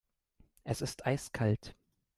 Es ist eiskalt.